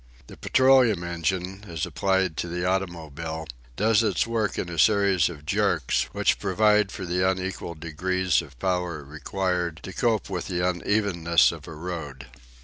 The petroleum engine, as applied to the automobile, does its work in a series of jerks which provide for the unequal degrees of power required to cope with the unevenness of a road.